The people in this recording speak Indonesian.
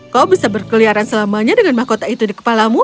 kau bisa berkeliaran selamanya dengan mahkota itu di kepalamu